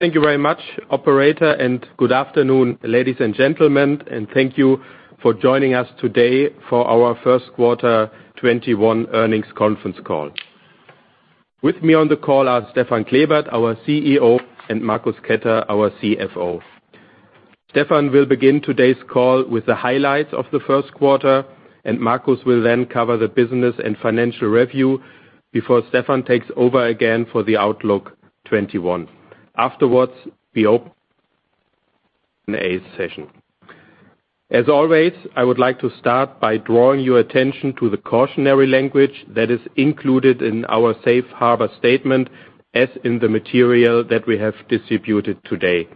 Thank you very much operator. Good afternoon, ladies and gentlemen, and thank you for joining us today for our first quarter 2021 earnings conference call. With me on the call are Stefan Klebert, our CEO, and Marcus Ketter, our CFO. Stefan will begin today's call with the highlights of the first quarter. Marcus will then cover the business and financial review before Stefan takes over again for the Outlook 2021. Afterwards, we open a session. As always, I would like to start by drawing your attention to the cautionary language that is included in our safe harbor statement, as in the material that we have distributed today.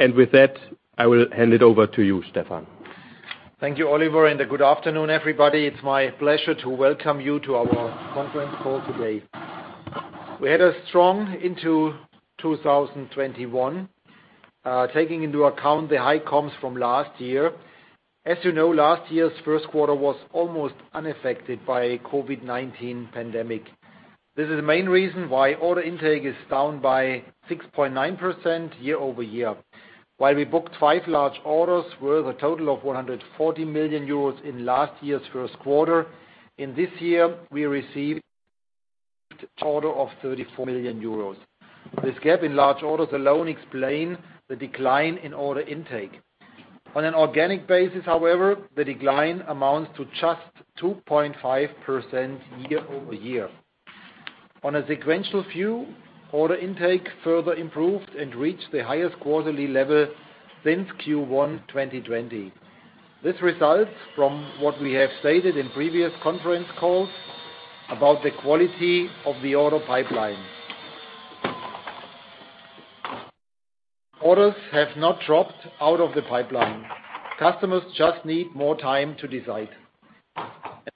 With that, I will hand it over to you, Stefan. Thank you, Oliver, and good afternoon, everybody. It's my pleasure to welcome you to our conference call today. We had a strong into 2021. Taking into account the high comps from last year. As you know, last year's first quarter was almost unaffected by COVID-19 pandemic. This is the main reason why order intake is down by 6.9% year-over-year. We booked five large orders worth a total of 140 million euros in last year's first quarter, in this year, we received total of 34 million euros. This gap in large orders alone explain the decline in order intake. On an organic basis, however, the decline amounts to just 2.5% year-over-year. On a sequential view, order intake further improved and reached the highest quarterly level since Q1 2020. This results from what we have stated in previous conference calls about the quality of the order pipeline. Orders have not dropped out of the pipeline. Customers just need more time to decide,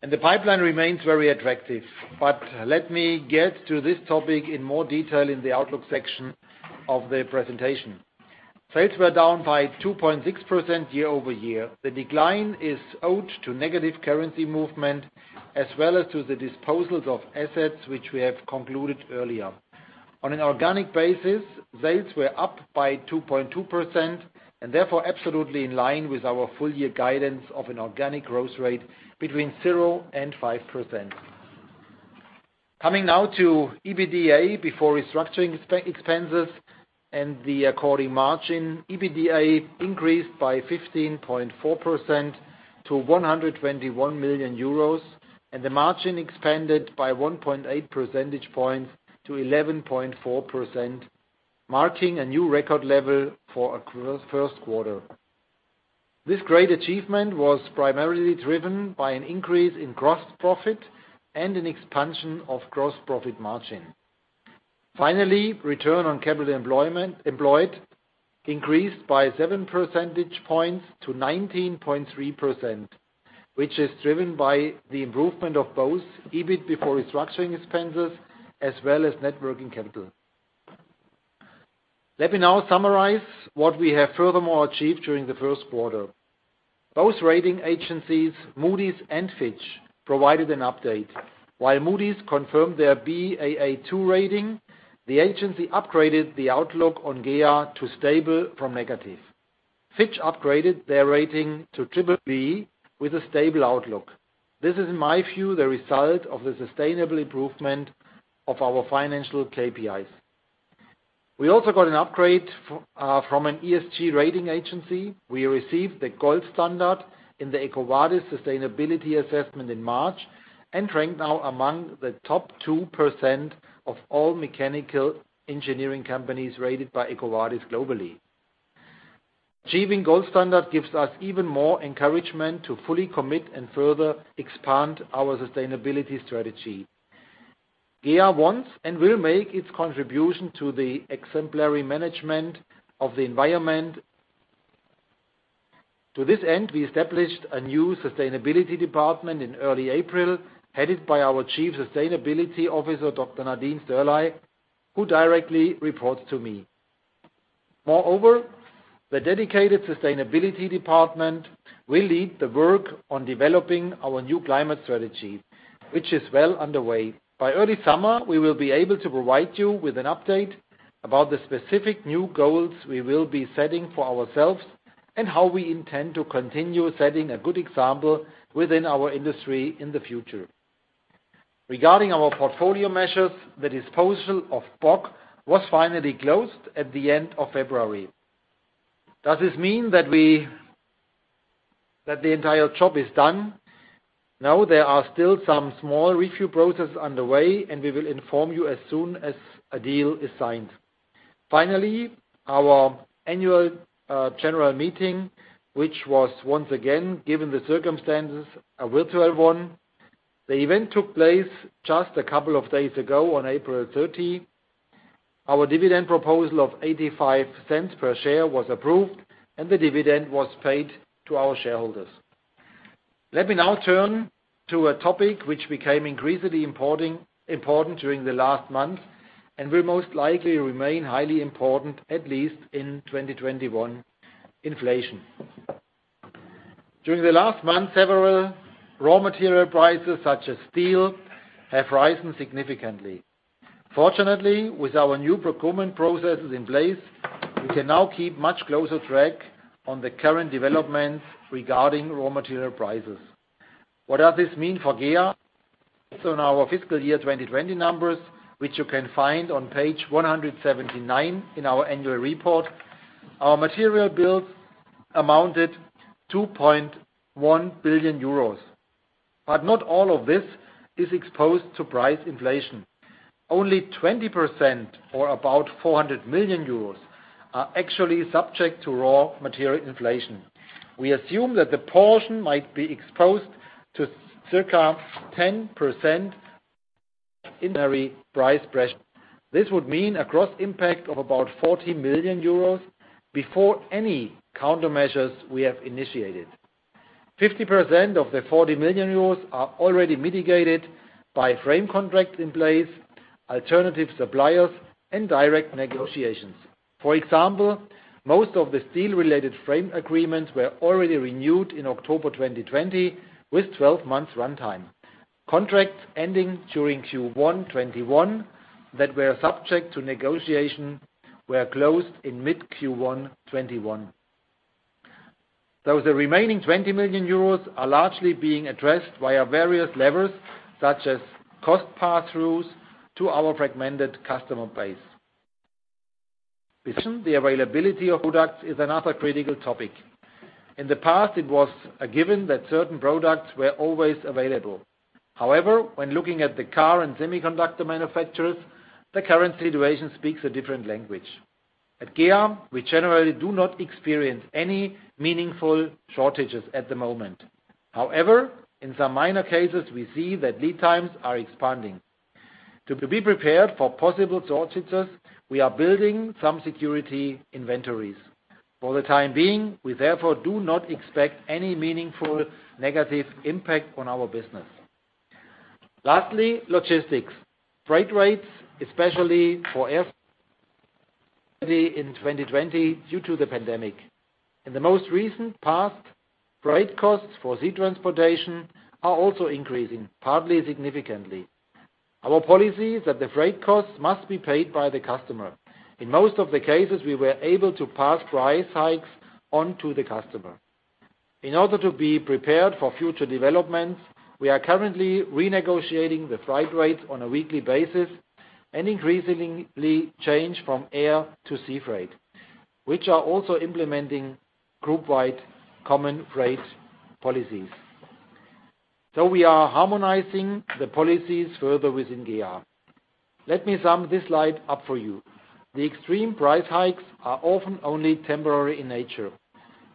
and the pipeline remains very attractive. Let me get to this topic in more detail in the outlook section of the presentation. Sales were down by 2.6% year-over-year. The decline is owed to negative currency movement as well as to the disposals of assets, which we have concluded earlier. On an organic basis, sales were up by 2.2% and therefore absolutely in line with our full year guidance of an organic growth rate between 0% and 5%. Coming now to EBITDA before restructuring expenses and the according margin. EBITDA increased by 15.4% to 121 million euros, and the margin expanded by 1.8 percentage points to 11.4%, marking a new record level for a first quarter. This great achievement was primarily driven by an increase in gross profit and an expansion of gross profit margin. Finally, return on capital employed increased by 7 percentage points to 19.3%, which is driven by the improvement of both EBIT before restructuring expenses as well as net working capital. Let me now summarize what we have furthermore achieved during the first quarter. Both rating agencies, Moody's and Fitch, provided an update. While Moody's confirmed their Baa2 rating, the agency upgraded the outlook on GEA to stable from negative. Fitch upgraded their rating to BBB with a stable outlook. This is, in my view, the result of the sustainable improvement of our financial KPIs. We also got an upgrade from an ESG rating agency. We received the Gold Standard in the EcoVadis sustainability assessment in March and ranked now among the top 2% of all mechanical engineering companies rated by EcoVadis globally. Achieving Gold Standard gives us even more encouragement to fully commit and further expand our sustainability strategy. GEA wants and will make its contribution to the exemplary management of the environment. To this end, we established a new sustainability department in early April, headed by our Chief Sustainability Officer, Dr. Nadine Sterley, who directly reports to me. The dedicated sustainability department will lead the work on developing our new climate strategy, which is well underway. By early summer, we will be able to provide you with an update about the specific new goals we will be setting for ourselves and how we intend to continue setting a good example within our industry in the future. Regarding our portfolio measures, the disposal of Bock was finally closed at the end of February. Does this mean that the entire job is done? No, there are still some small review processes underway, and we will inform you as soon as a deal is signed. Finally, our annual general meeting, which was once again, given the circumstances, a virtual one. The event took place just a couple of days ago, on April 30. Our dividend proposal of 0.85 per share was approved, and the dividend was paid to our shareholders. Let me now turn to a topic which became increasingly important during the last month and will most likely remain highly important at least in 2021: inflation. During the last month, several raw material prices, such as steel, have risen significantly. Fortunately, with our new procurement processes in place, we can now keep much closer track on the current developments regarding raw material prices. What does this mean for GEA? Based on our fiscal year 2020 numbers, which you can find on page 179 in our annual report, our material bills amounted 2.1 billion euros. Not all of this is exposed to price inflation. Only 20%, or about 400 million euros, are actually subject to raw material inflation. We assume that the portion might be exposed to circa 10% price pressure. This would mean a gross impact of about 40 million euros before any countermeasures we have initiated. 50% of the 40 million euros are already mitigated by frame contracts in place, alternative suppliers, and direct negotiations. For example, most of the steel-related frame agreements were already renewed in October 2020 with 12 months runtime. Contracts ending during Q1 2021 that were subject to negotiation were closed in mid-Q1 2021. The remaining 20 million euros are largely being addressed via various levers, such as cost pass-throughs to our fragmented customer base. The availability of products is another critical topic. In the past, it was a given that certain products were always available. However, when looking at the car and semiconductor manufacturers, the current situation speaks a different language. At GEA, we generally do not experience any meaningful shortages at the moment. However, in some minor cases, we see that lead times are expanding. To be prepared for possible shortages, we are building some security inventories. For the time being, we therefore do not expect any meaningful negative impact on our business. Lastly, logistics. Freight rates, especially for air in 2020 due to the pandemic. In the most recent past, freight costs for sea transportation are also increasing, partly significantly. Our policy is that the freight costs must be paid by the customer. In most of the cases, we were able to pass price hikes on to the customer. In order to be prepared for future developments, we are currently renegotiating the freight rates on a weekly basis and increasingly change from air to sea freight, which are also implementing group-wide common freight policies. We are harmonizing the policies further within GEA. Let me sum this slide up for you. The extreme price hikes are often only temporary in nature.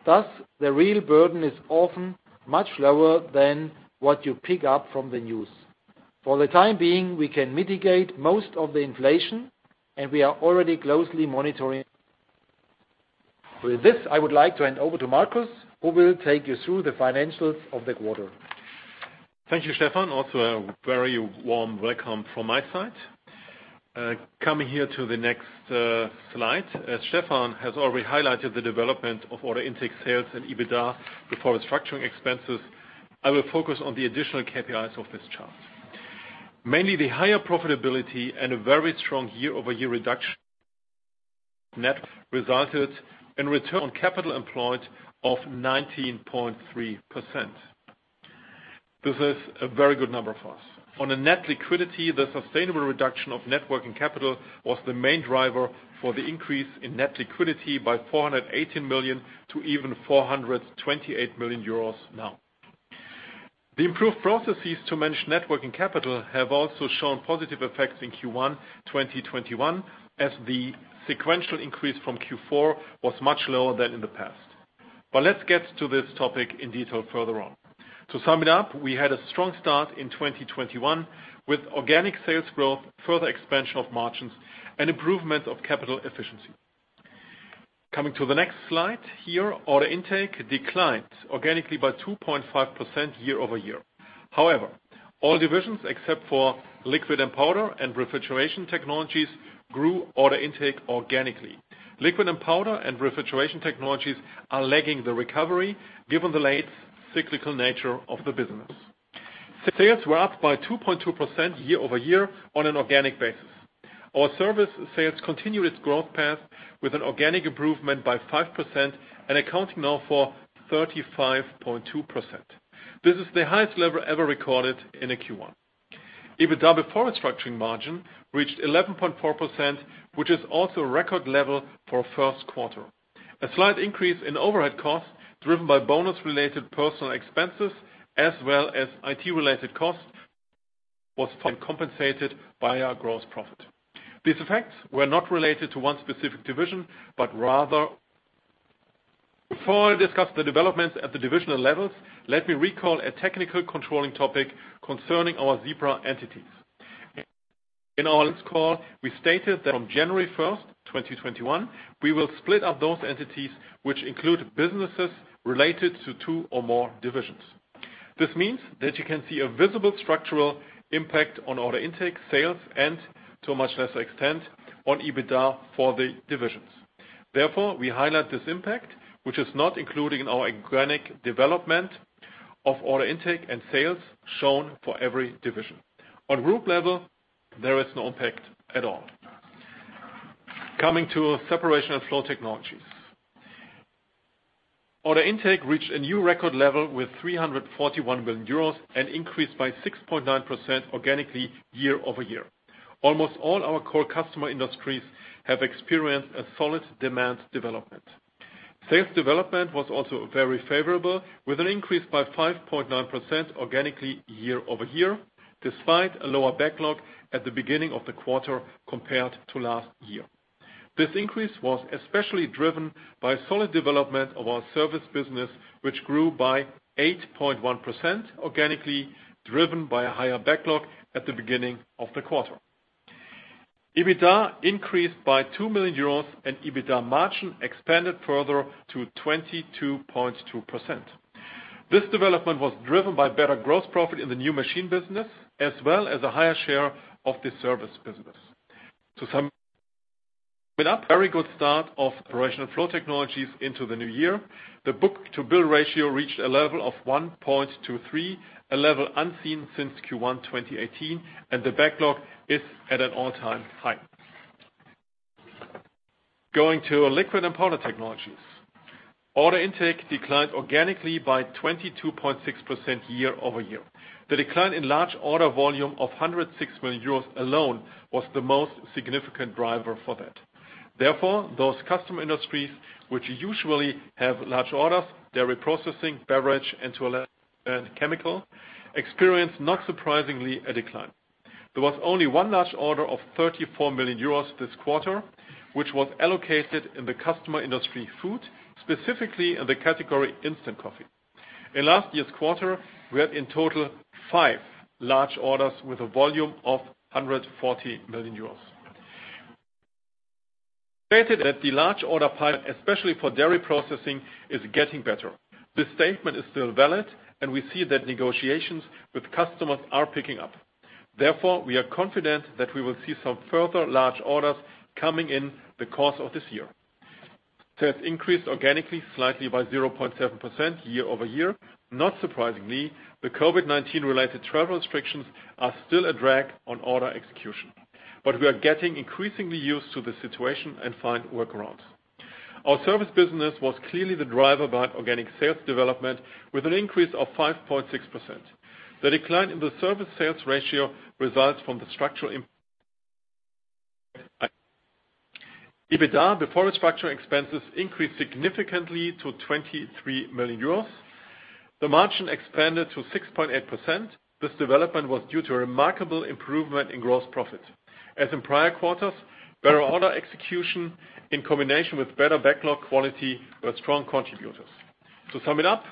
Thus, the real burden is often much lower than what you pick up from the news. For the time being, we can mitigate most of the inflation, and we are already closely monitoring. With this, I would like to hand over to Marcus, who will take you through the financials of the quarter. Thank you, Stefan. Also, a very warm welcome from my side. Coming here to the next slide. As Stefan has already highlighted the development of order intake sales and EBITDA before restructuring expenses, I will focus on the additional KPIs of this chart. Mainly the higher profitability and a very strong year-over-year reduction net resulted in return on capital employed of 19.3%. This is a very good number for us. On the net liquidity, the sustainable reduction of net working capital was the main driver for the increase in net liquidity by 418 million to even 428 million euros now. The improved processes to manage net working capital have also shown positive effects in Q1 2021 as the sequential increase from Q4 was much lower than in the past. Let's get to this topic in detail further on. To sum it up, we had a strong start in 2021 with organic sales growth, further expansion of margins, and improvement of capital efficiency. Coming to the next slide here. Order intake declined organically by 2.5% year-over-year. All divisions except for Liquid & Powder and Refrigeration Technologies grew order intake organically. Liquid & Powder and Refrigeration Technologies are lagging the recovery given the late cyclical nature of the business. Sales were up by 2.2% year-over-year on an organic basis. Our service sales continue its growth path with an organic improvement by 5% and accounting now for 35.2%. This is the highest level ever recorded in a Q1. EBITDA before restructuring margin reached 11.4%, which is also a record level for a first quarter. A slight increase in overhead costs driven by bonus-related personal expenses as well as IT-related costs was fully compensated by our gross profit. These effects were not related to one specific division. Before I discuss the developments at the divisional levels, let me recall a technical controlling topic concerning our Zebra entities. In our last call, we stated that on January 1st, 2021, we will split up those entities which include businesses related to two or more divisions. This means that you can see a visible structural impact on order intake, sales, and, to a much lesser extent, on EBITDA for the divisions. We highlight this impact, which is not included in our organic development of order intake and sales shown for every division. On Group level, there is no impact at all. Coming to Separation & Flow Technologies. Order intake reached a new record level with 341 million euros and increased by 6.9% organically year-over-year. Almost all our core customer industries have experienced a solid demand development. Sales development was also very favorable, with an increase by 5.9% organically year-over-year, despite a lower backlog at the beginning of the quarter compared to last year. This increase was especially driven by solid development of our service business, which grew by 8.1% organically, driven by a higher backlog at the beginning of the quarter. EBITDA increased by 2 million euros and EBITDA margin expanded further to 22.2%. This development was driven by better gross profit in the new machine business as well as a higher share of the service business. To sum up, very good start of Separation & Flow Technologies into the new year. The book-to-bill ratio reached a level of 1.23, a level unseen since Q1 2018, and the backlog is at an all-time high. Going to Liquid & Powder Technologies. Order intake declined organically by 22.6% year-over-year. The decline in large order volume of 106 million euros alone was the most significant driver for that. Therefore, those customer industries which usually have large orders, dairy processing, beverage, and chemical, experienced, not surprisingly, a decline. There was only one large order of 34 million euros this quarter, which was allocated in the customer industry food, specifically in the category instant coffee. In last year's quarter, we had in total five large orders with a volume of 140 million euros. The large order pipe, especially for dairy processing, is getting better. This statement is still valid, we see that negotiations with customers are picking up. Therefore, we are confident that we will see some further large orders coming in the course of this year. Sales increased organically slightly by 0.7% year-over-year. Not surprisingly, the COVID-19 related travel restrictions are still a drag on order execution. We are getting increasingly used to the situation and find workarounds. Our service business was clearly the driver by organic sales development with an increase of 5.6%. The decline in the service sales ratio results from the structural EBITDA before restructuring expenses increased significantly to 23 million euros. The margin expanded to 6.8%. This development was due to a remarkable improvement in gross profit. As in prior quarters, better order execution in combination with better backlog quality were strong contributors. To sum it up,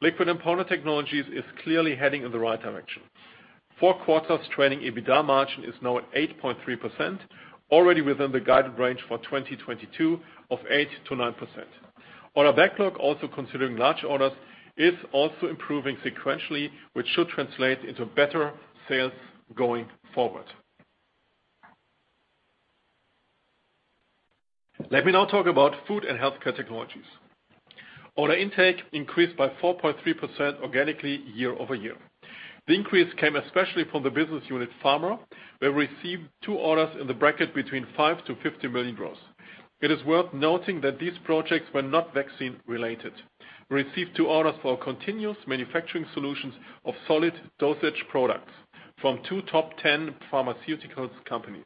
Liquid & Powder Technologies is clearly heading in the right direction. Four quarters trending EBITDA margin is now at 8.3%, already within the guided range for 2022 of 8%-9%. Order backlog, also considering large orders, is also improving sequentially, which should translate into better sales going forward. Let me now talk about Food and Healthcare Technologies. Order intake increased by 4.3% organically year-over-year. The increase came especially from the business unit Pharma. We received two orders in the bracket between 5 million-50 million euros. It is worth noting that these projects were not vaccine related. We received two orders for our continuous manufacturing solutions of solid dosage products from two top 10 pharmaceuticals companies.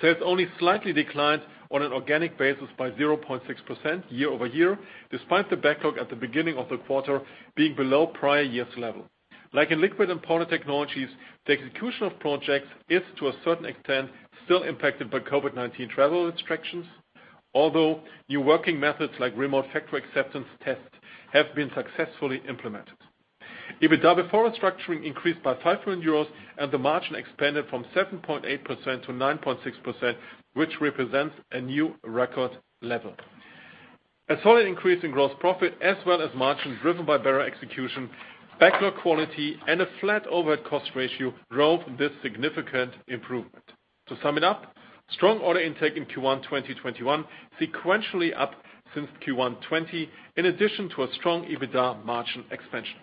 Sales only slightly declined on an organic basis by 0.6% year-over-year, despite the backlog at the beginning of the quarter being below prior year's level. Like in Liquid & Powder Technologies, the execution of projects is, to a certain extent, still impacted by COVID-19 travel restrictions, although new working methods like remote factory acceptance tests have been successfully implemented. EBITDA before restructuring increased by 5 euros and the margin expanded from 7.8%-9.6%, which represents a new record level. A solid increase in gross profit as well as margins driven by better execution, backlog quality, and a flat overhead cost ratio drove this significant improvement. To sum it up, strong order intake in Q1 2021, sequentially up since Q1 2020, in addition to a strong EBITDA margin expansion.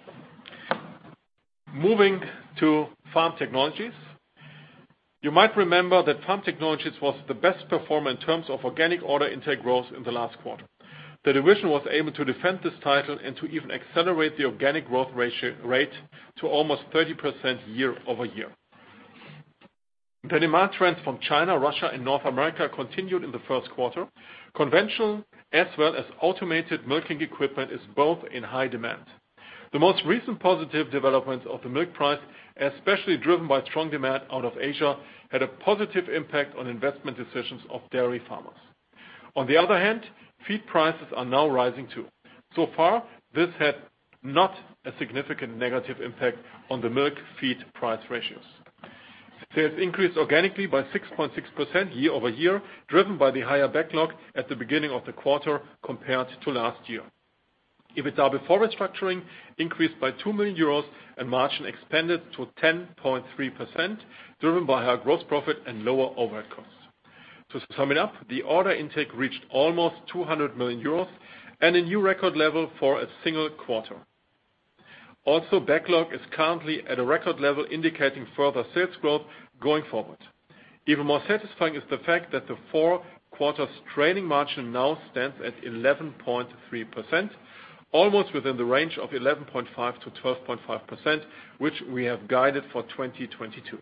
Moving to Farm Technologies. You might remember that Farm Technologies was the best performer in terms of organic order intake growth in the last quarter. The division was able to defend this title and to even accelerate the organic growth rate to almost 30% year-over-year. The demand trends from China, Russia, and North America continued in the first quarter. Conventional as well as automated milking equipment is both in high demand. The most recent positive developments of the milk price, especially driven by strong demand out of Asia, had a positive impact on investment decisions of dairy farmers. On the other hand, feed prices are now rising too. So far, this had not a significant negative impact on the milk feed price ratios. Sales increased organically by 6.6% year-over-year, driven by the higher backlog at the beginning of the quarter compared to last year. EBITDA before restructuring increased by 2 million euros and margin expanded to 10.3%, driven by higher gross profit and lower overhead costs. To sum it up, the order intake reached almost 200 million euros and a new record level for a single quarter. Backlog is currently at a record level, indicating further sales growth going forward. Even more satisfying is the fact that the four quarters trailing margin now stands at 11.3%, almost within the range of 11.5%-12.5%, which we have guided for 2022.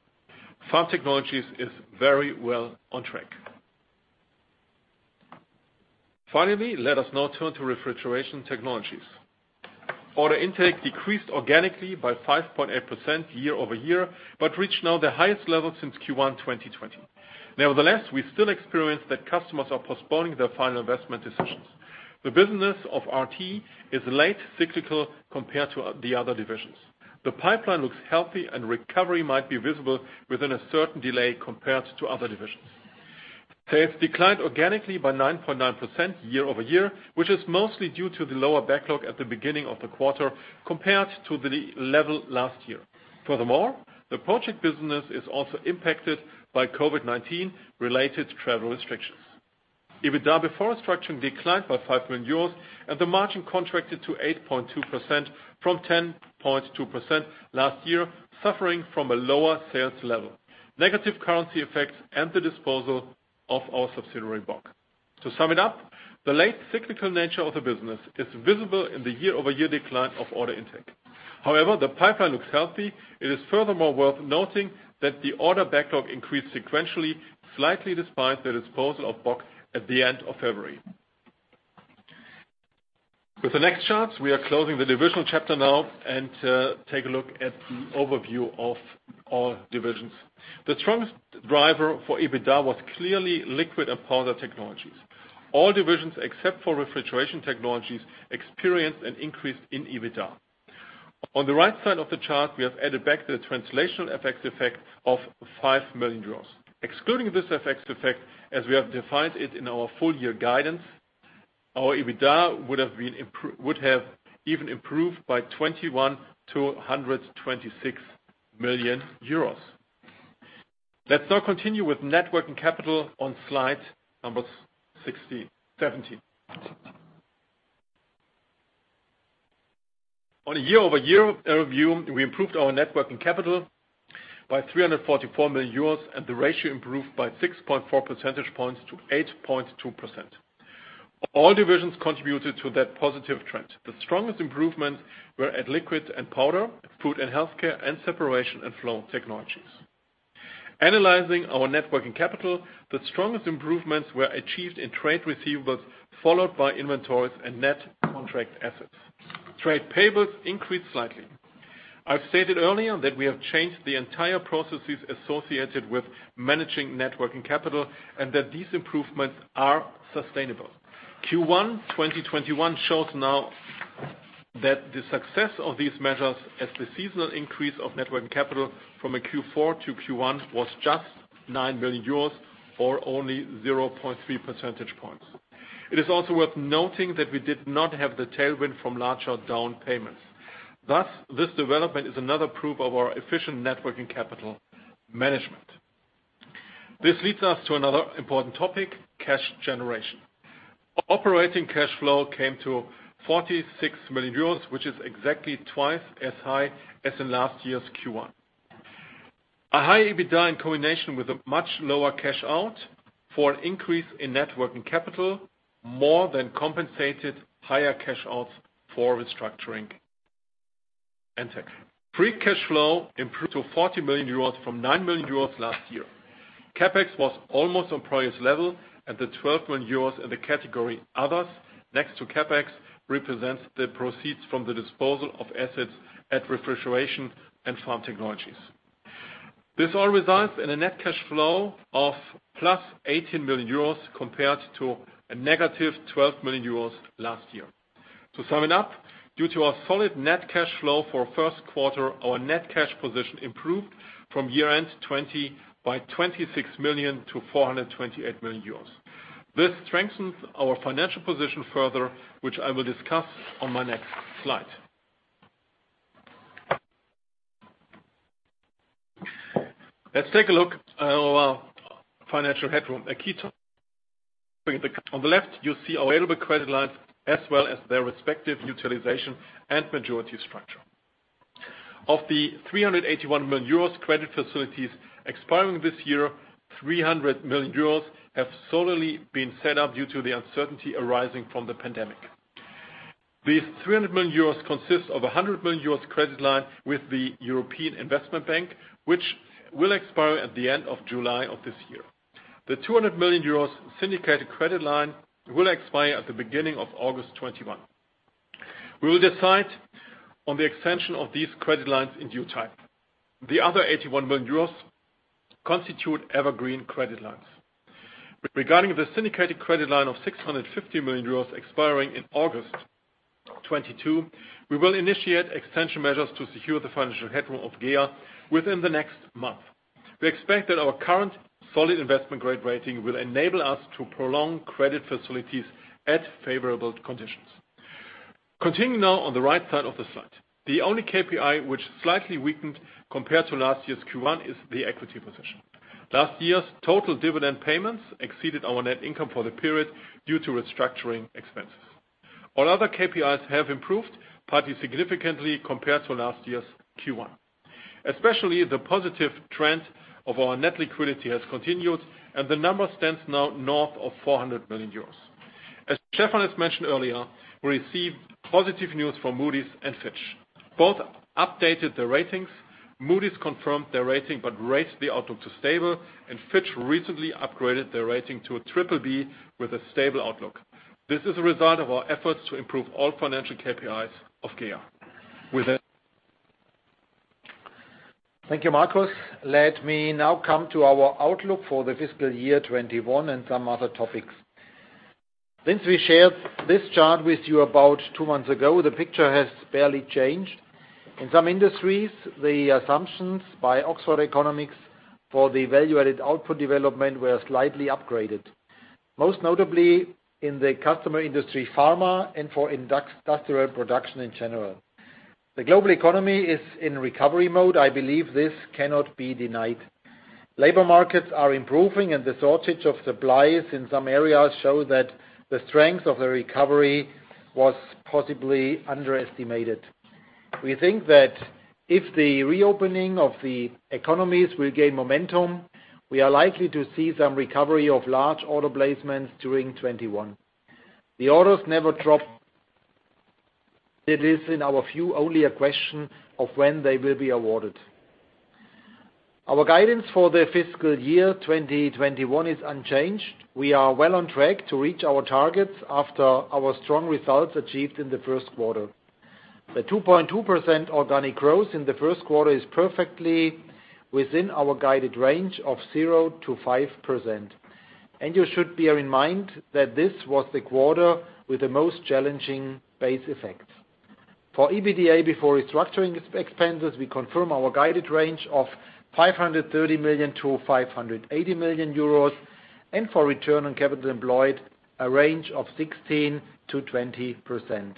Farm Technologies is very well on track. Let us now turn to Refrigeration Technologies. Order intake decreased organically by 5.8% year-over-year, but reached now the highest level since Q1 2020. Nevertheless, we still experience that customers are postponing their final investment decisions. The business of RT is late cyclical compared to the other divisions. The pipeline looks healthy and recovery might be visible within a certain delay compared to other divisions. Sales declined organically by 9.9% year-over-year, which is mostly due to the lower backlog at the beginning of the quarter compared to the level last year. Furthermore, the project business is also impacted by COVID-19 related travel restrictions. EBITDA before restructuring declined by 5 million euros and the margin contracted to 8.2% from 10.2% last year, suffering from a lower sales level, negative currency effects and the disposal of our subsidiary Bock. To sum it up, the late cyclical nature of the business is visible in the year-over-year decline of order intake. However, the pipeline looks healthy. It is furthermore worth noting that the order backlog increased sequentially, slightly despite the disposal of Bock at the end of February. With the next charts, we are closing the divisional chapter now and take a look at the overview of all divisions. The strongest driver for EBITDA was clearly Liquid & Powder Technologies. All divisions except for Refrigeration Technologies experienced an increase in EBITDA. On the right side of the chart, we have added back the translational FX effect of 5 million euros. Excluding this FX effect, as we have defined it in our full year guidance, our EBITDA would have even improved by 21 to 126 million euros. Let's now continue with net working capital on slide number 17. On a year-over-year review, we improved our net working capital by 344 million euros and the ratio improved by 6.4 percentage points to 8.2%. All divisions contributed to that positive trend. The strongest improvements were at Liquid & Powder, Food and Healthcare Technologies, and Separation & Flow Technologies. Analyzing our net working capital, the strongest improvements were achieved in trade receivables, followed by inventories and net contract assets. Trade payables increased slightly. I've stated earlier that we have changed the entire processes associated with managing net working capital and that these improvements are sustainable. Q1 2021 shows now that the success of these measures as the seasonal increase of net working capital from a Q4 to Q1 was just 9 million euros or only 0.3 percentage points. It is also worth noting that we did not have the tailwind from larger down payments. This development is another proof of our efficient net working capital management. This leads us to another important topic, cash generation. Operating cash flow came to 46 million euros, which is exactly twice as high as in last year's Q1. A high EBITDA in combination with a much lower cash out for an increase in net working capital more than compensated higher cash outs for restructuring and tax. Free cash flow improved to 40 million euros from 9 million euros last year. CapEx was almost on prior's level and the 12 million euros in the category Others, next to CapEx, represents the proceeds from the disposal of assets at Refrigeration Technologies and Pharma. This all results in a net cash flow of plus 18 million euros compared to a negative 12 million euros last year. To sum it up, due to our solid net cash flow for first quarter, our net cash position improved from year end 2020 by 26 million to 428 million euros. This strengthens our financial position further, which I will discuss on my next slide. Let's take a look at our financial headroom. A key topic on the left, you'll see our available credit lines as well as their respective utilization and maturity structure. Of the 381 million euros credit facilities expiring this year, 300 million euros have solely been set up due to the uncertainty arising from the pandemic. These 300 million euros consists of 100 million euros credit line with the European Investment Bank, which will expire at the end of July of this year. The 200 million euros syndicated credit line will expire at the beginning of August 2021. We will decide on the extension of these credit lines in due time. The other 81 million euros constitute evergreen credit lines. Regarding the syndicated credit line of 650 million euros expiring in August 2022, we will initiate extension measures to secure the financial headroom of GEA within the next month. We expect that our current solid investment grade rating will enable us to prolong credit facilities at favorable conditions. Continuing now on the right side of the slide. The only KPI which slightly weakened compared to last year's Q1 is the equity position. Last year's total dividend payments exceeded our net income for the period due to restructuring expenses. All other KPIs have improved, partly significantly compared to last year's Q1. Especially the positive trend of our net liquidity has continued, and the number stands now north of 400 million euros. As Stefan has mentioned earlier, we received positive news from Moody's and Fitch. Both updated their ratings. Moody's confirmed their rating, but raised the outlook to stable, and Fitch recently upgraded their rating to a BBB with a stable outlook. This is a result of our efforts to improve all financial KPIs of GEA. Thank you, Marcus. Let me now come to our outlook for the fiscal year 2021 and some other topics. Since we shared this chart with you about two months ago, the picture has barely changed. In some industries, the assumptions by Oxford Economics for the value-added output development were slightly upgraded. Most notably in the customer industry, Pharma, and for industrial production in general. The global economy is in recovery mode. I believe this cannot be denied. Labor markets are improving, and the shortage of supplies in some areas show that the strength of the recovery was possibly underestimated. We think that if the reopening of the economies will gain momentum, we are likely to see some recovery of large order placements during 2021. The orders never dropped. It is, in our view, only a question of when they will be awarded. Our guidance for the fiscal year 2021 is unchanged. We are well on track to reach our targets after our strong results achieved in the first quarter. The 2.2% organic growth in the first quarter is perfectly within our guided range of 0%-5%. You should bear in mind that this was the quarter with the most challenging base effects. For EBITDA before restructuring expenses, we confirm our guided range of 530 million-580 million euros, and for return on capital employed, a range of 16%-20%.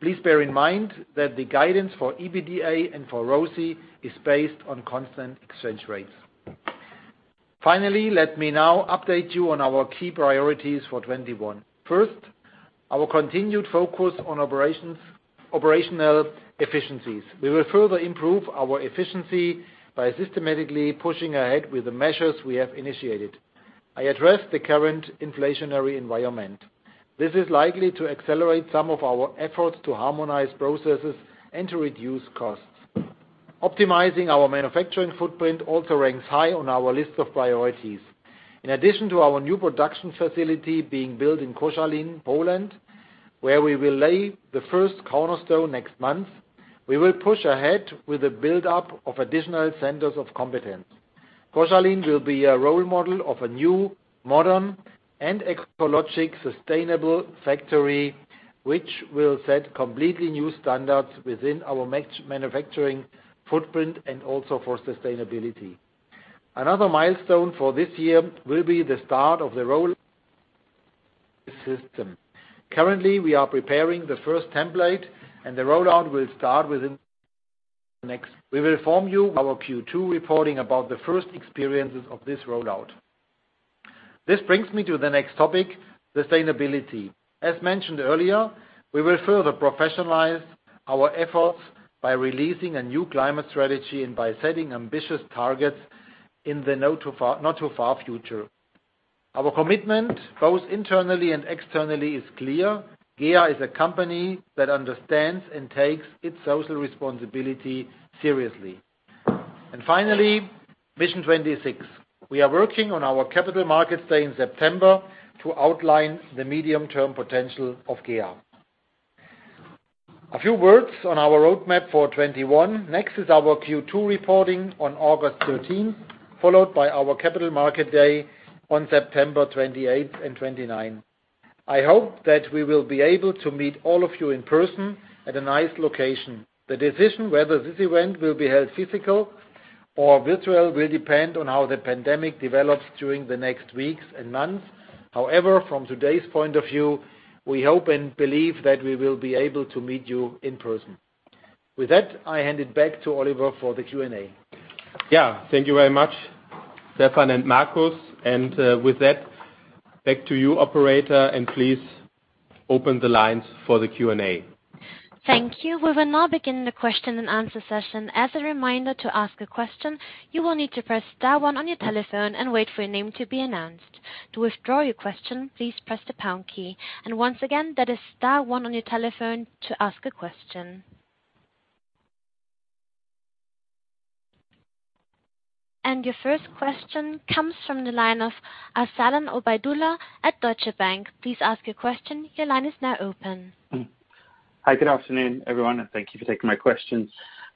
Please bear in mind that the guidance for EBITDA and for ROCE is based on constant exchange rates. Finally, let me now update you on our key priorities for 2021. First, our continued focus on operational efficiencies. We will further improve our efficiency by systematically pushing ahead with the measures we have initiated. I addressed the current inflationary environment. This is likely to accelerate some of our efforts to harmonize processes and to reduce costs. Optimizing our manufacturing footprint also ranks high on our list of priorities. In addition to our new production facility being built in Koszalin, Poland, where we will lay the first cornerstone next month, we will push ahead with the buildup of additional centers of competence. Koszalin will be a role model of a new, modern, and ecologic sustainable factory, which will set completely new standards within our manufacturing footprint and also for sustainability. Another milestone for this year will be the start of the Rollout System. Currently, we are preparing the first template, and the rollout will start within the next. We will inform you our Q2 reporting about the first experiences of this rollout. This brings me to the next topic, sustainability. As mentioned earlier, we will further professionalize our efforts by releasing a new climate strategy and by setting ambitious targets in the not too far future. Our commitment, both internally and externally, is clear. GEA is a company that understands and takes its social responsibility seriously. Finally, Mission 26. We are working on our Capital Markets Day in September to outline the medium-term potential of GEA. A few words on our roadmap for 2021. Next is our Q2 reporting on August 13th, followed by our Capital Markets Day on September 28th and 29th. I hope that we will be able to meet all of you in person at a nice location. The decision whether this event will be held physical or virtual will depend on how the pandemic develops during the next weeks and months. However, from today's point of view, we hope and believe that we will be able to meet you in person. With that, I hand it back to Oliver for the Q&A. Yeah. Thank you very much, Stefan and Marcus. With that, back to you, operator, and please open the lines for the Q&A. Thank you. We will now begin the question-and-answer session. As a reminder, to ask a question, you will need to press star one on your telephone and wait for your name to be announced. To withdraw your question, please press the pound key. Once again, that is star one on your telephone to ask a question. Your first question comes from the line of Arsalan Obaidullah at Deutsche Bank. Please ask your question. Your line is now open. Hi. Good afternoon, everyone, and thank you for taking my questions.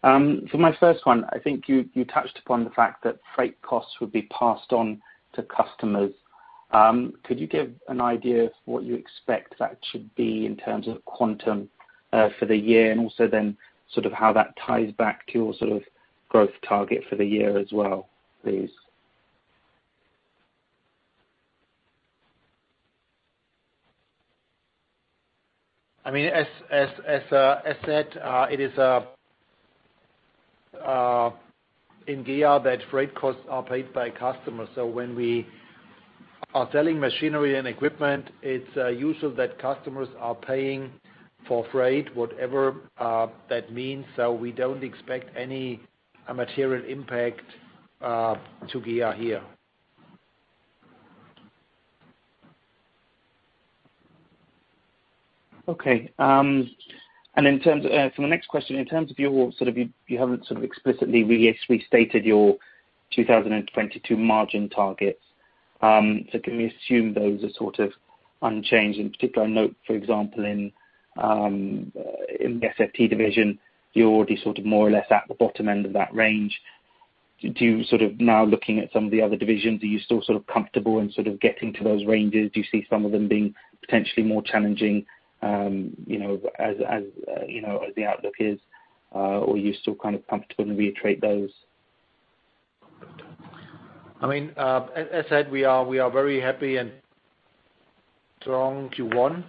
For my first one, I think you touched upon the fact that freight costs would be passed on to customers. Could you give an idea of what you expect that should be in terms of quantum for the year? Also then how that ties back to your sort of growth target for the year as well, please. As said, it is in GEA that freight costs are paid by customers. When we are selling machinery and equipment, it's usual that customers are paying for freight, whatever that means. We don't expect any material impact to GEA here. Okay. For the next question, you haven't explicitly restated your 2022 margin targets. Can we assume those are unchanged? In particular, I note, for example, in SFT division, you're already more or less at the bottom end of that range. Looking at some of the other divisions, are you still comfortable in getting to those ranges? Do you see some of them being potentially more challenging, as the outlook is, or are you still kind of comfortable to reiterate those? As said, we are very happy and strong Q1.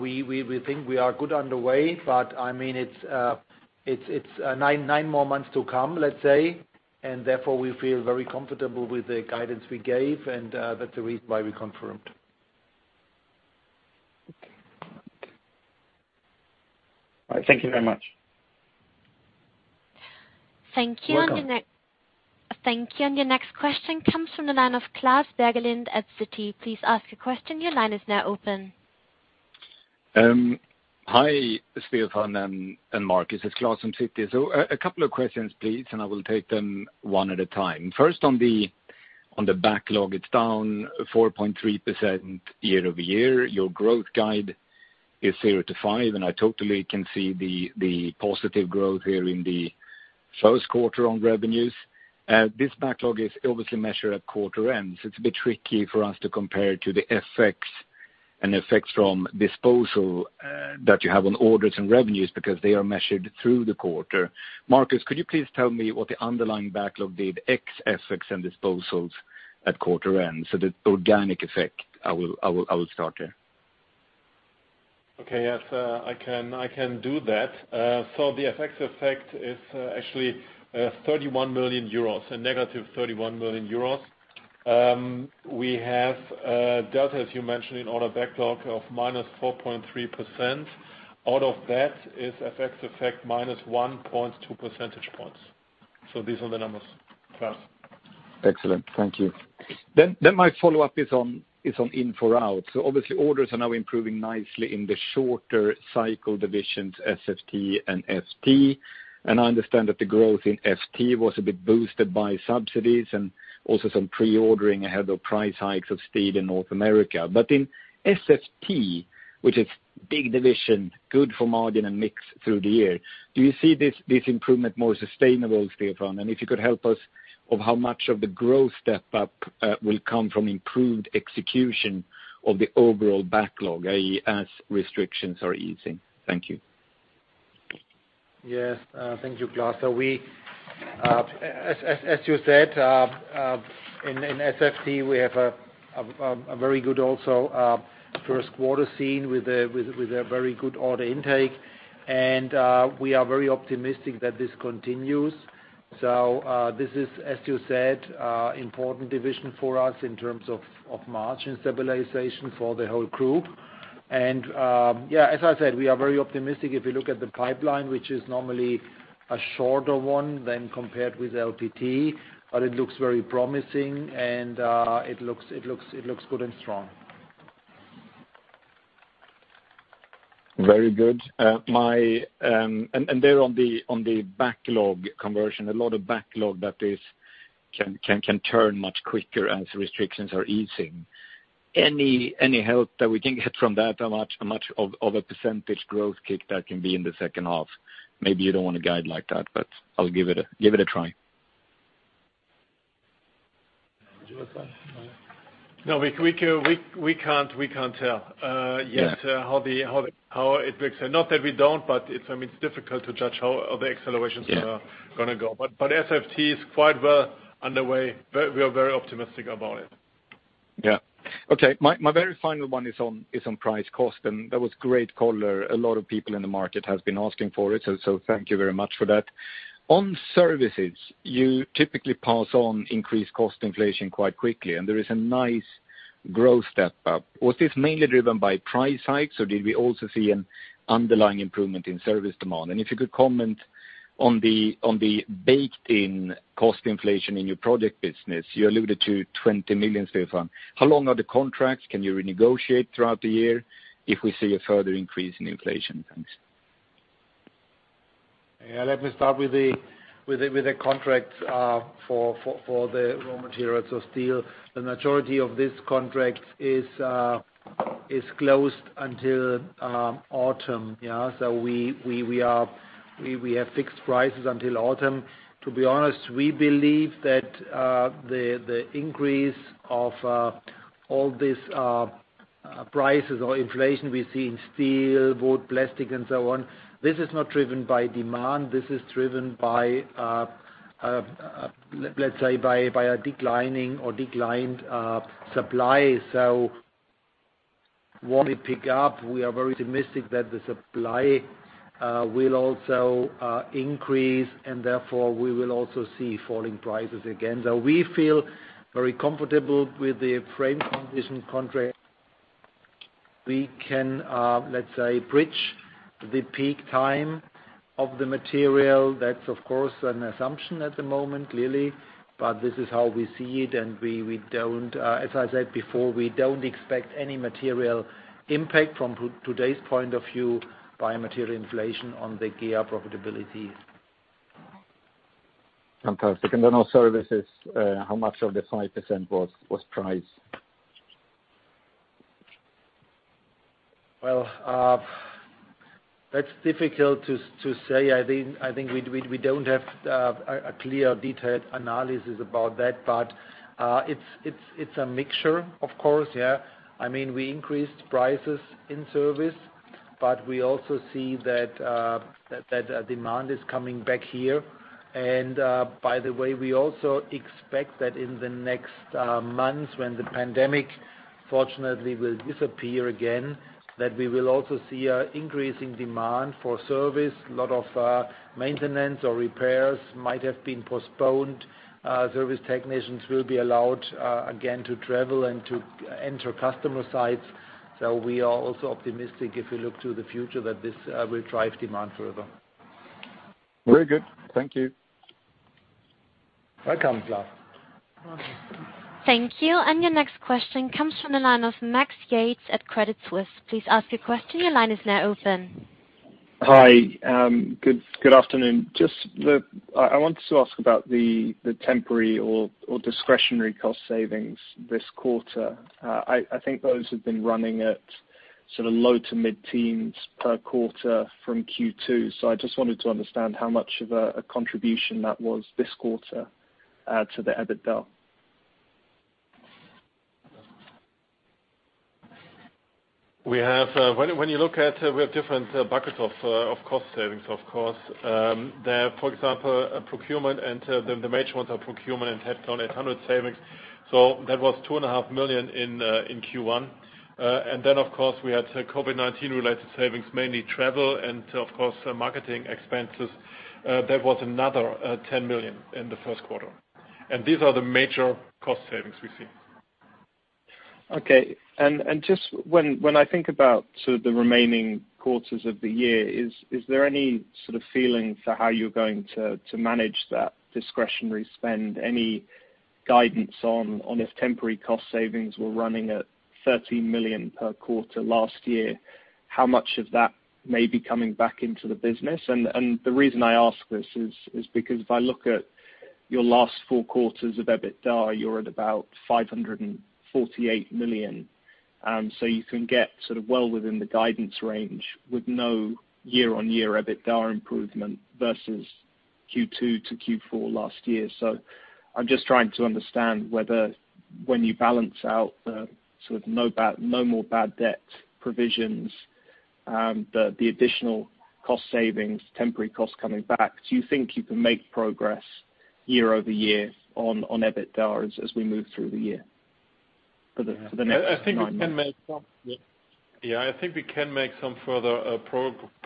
We think we are good underway, it's nine more months to come, let's say. Therefore, we feel very comfortable with the guidance we gave, and that's the reason why we confirmed. Okay. All right. Thank you very much. Thank you. Welcome. Thank you. Your next question comes from the line of Klas Bergelind at Citi. Please ask your question. Your line is now open. Hi, Stefan and Marcus. A couple of questions, please, and I will take them one at a time. First, on the backlog, it's down 4.3% year-over-year. Your growth guide is 0%-5%, and I totally can see the positive growth here in the first quarter on revenues. This backlog is obviously measured at quarter end, so it's a bit tricky for us to compare to the FX and effects from disposal that you have on orders and revenues because they are measured through the quarter. Marcus, could you please tell me what the underlying backlog did, ex FX and disposals at quarter end? The organic effect. I will start there. Okay. Yes, I can do that. The FX effect is actually a negative 31 million euros. We have a delta, as you mentioned, in order backlog of -4.3%. Out of that is FX effect, minus 1.2 percentage points. These are the numbers, Klas. Excellent. Thank you. My follow-up is on in for out. Obviously orders are now improving nicely in the shorter cycle divisions, SFT and FT. I understand that the growth in FT was a bit boosted by subsidies and also some pre-ordering ahead of price hikes of steel in North America. In SFT, which is big division, good for margin and mix through the year, do you see this improvement more sustainable, Stefan? If you could help us of how much of the growth step-up will come from improved execution of the overall backlog, i.e., as restrictions are easing. Thank you. Yes. Thank you, Klas. As you said, in SFT we have a very good also first quarter seen with a very good order intake. We are very optimistic that this continues. This is, as you said, important division for us in terms of margin stabilization for the whole group. As I said, we are very optimistic if you look at the pipeline, which is normally a shorter one than compared with LPT, but it looks very promising and it looks good and strong. Very good. There on the backlog conversion, a lot of backlog that can turn much quicker as restrictions are easing. Any help that we can get from that? How much of a percentage growth kick that can be in the second half? Maybe you don't want to guide like that, but I'll give it a try. No, we can't tell yet how it looks. Not that we don't, but it's difficult to judge how the accelerations are going to go. SFT is quite well underway. We are very optimistic about it. Okay. My very final one is on price cost, and that was great color. A lot of people in the market has been asking for it, thank you very much for that. On services, you typically pass on increased cost inflation quite quickly, and there is a nice growth step-up. Was this mainly driven by price hikes, or did we also see an underlying improvement in service demand? If you could comment on the baked-in cost inflation in your project business. You alluded to 20 million, Stefan. How long are the contracts? Can you renegotiate throughout the year if we see a further increase in inflation? Thanks. Yeah, let me start with the contracts for the raw materials of steel. The majority of this contract is closed until autumn. We have fixed prices until autumn. To be honest, we believe that the increase of all these prices or inflation we see in steel, wood, plastic, and so on, this is not driven by demand. This is driven by, let's say, a declining or declined supply. When we pick up, we are very optimistic that the supply will also increase, and therefore we will also see falling prices again. We feel very comfortable with the frame condition contract. We can, let's say, bridge the peak time of the material. That's of course, an assumption at the moment, clearly. This is how we see it, and as I said before, we don't expect any material impact from today's point of view by material inflation on the GEA profitability. Fantastic. Then on services, how much of the 5% was price? Well, that's difficult to say. I think we don't have a clear detailed analysis about that. It's a mixture, of course, yeah. We increased prices in service, but we also see that demand is coming back here. By the way, we also expect that in the next months when the pandemic fortunately will disappear again, that we will also see an increase in demand for service. A lot of maintenance or repairs might have been postponed. Service technicians will be allowed, again, to travel and to enter customer sites. We are also optimistic if we look to the future that this will drive demand further. Very good. Thank you. Welcome, Klas. Thank you. Your next question comes from the line of Max Yates at Credit Suisse. Please ask your question. Your line is now open. Hi. Good afternoon. Just I wanted to ask about the temporary or discretionary cost savings this quarter. I think those have been running at sort of low to mid-teens per quarter from Q2, I just wanted to understand how much of a contribution that was this quarter to the EBITDA. When you look at, we have different buckets of cost savings, of course. For example, the major ones are procurement and headcount 800 savings. That was 2.5 million in Q1. Of course, we had COVID-19 related savings, mainly travel and of course, marketing expenses. That was another 10 million in the first quarter. These are the major cost savings we see. Okay. Just when I think about sort of the remaining quarters of the year, is there any sort of feeling for how you're going to manage that discretionary spend? Any guidance on if temporary cost savings were running at 13 million per quarter last year, how much of that may be coming back into the business? The reason I ask this is because if I look at your last four quarters of EBITDA, you're at about 548 million. You can get sort of well within the guidance range with no year-on-year EBITDA improvement versus Q2 to Q4 last year. I'm just trying to understand whether when you balance out the sort of no more bad debt provisions, the additional cost savings, temporary costs coming back, do you think you can make progress year-over-year on EBITDA as we move through the year for the next nine months? Yeah, I think we can make some further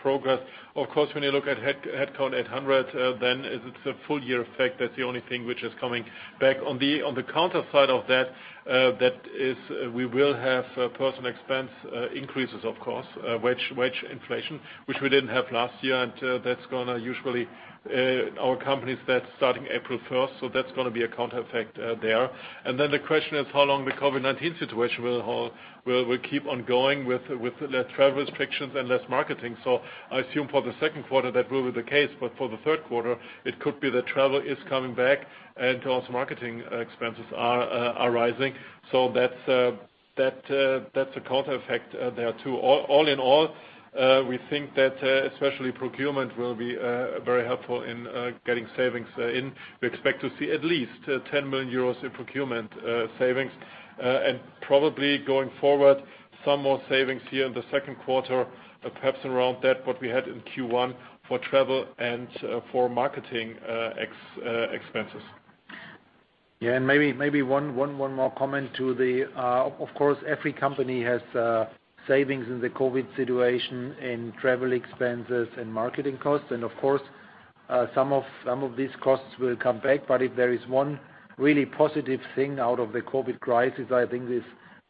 progress. Of course, when you look at Headcount 800, it's a full year effect. That's the only thing which is coming back. On the counter side of that, we will have personal expense increases, of course, wage inflation, which we didn't have last year. That's going to usually, our companies, that's starting April 1st. That's going to be a counter effect there. The question is how long the COVID-19 situation will keep on going with less travel restrictions and less marketing. I assume for the second quarter that will be the case, for the third quarter it could be that travel is coming back and also marketing expenses are rising. That's a counter effect there, too. All in all, we think that especially procurement will be very helpful in getting savings in. We expect to see at least 10 million euros in procurement savings. Probably going forward, some more savings here in the second quarter, perhaps around that what we had in Q1 for travel and for marketing expenses. Yeah, maybe one more comment. Of course, every company has savings in the COVID situation in travel expenses and marketing costs. Of course, some of these costs will come back. If there is one really positive thing out of the COVID crisis, I think